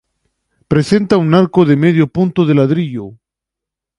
Presenta un arco de medio punto de ladrillo.